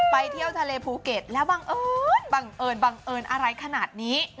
ไปเที่ยวทะเลภูเกตแล้วบังเอิญอะไรขนาดนี้